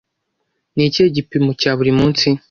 Ni ikihe gipimo cya buri munsi?